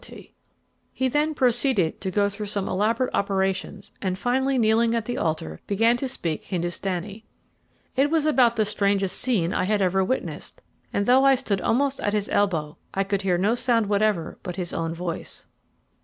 A Master of Mysteries. Page 207] He then proceeded to go through some elaborate operations, and finally kneeling at the altar, began to speak Hindustanee. It was about the strangest scene I had ever witnessed; and though I stood almost at his elbow, I could hear no sound whatever but his own voice.